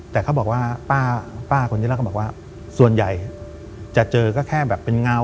แต่เขาบอกว่าป้าคนนี้แล้วก็บอกว่าส่วนใหญ่จะเจอก็แค่แบบเป็นเงา